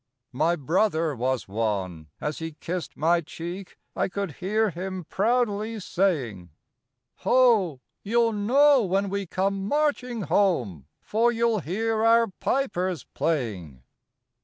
My brother was one. As he kissed my cheek, I could hear him proudly saying: "Ho! you'll know when we come marching home, For you'll hear our pipers playing."